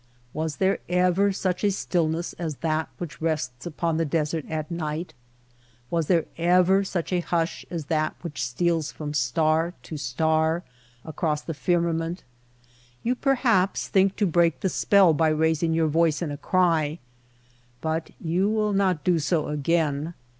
Was there ever such a stillness as that which rests upon the desert at night ! Was there ever such a hush as that which steals from star to star across the firmament ! You perhaps think to break the spell by raising your voice in a cry ; but you will not do so again.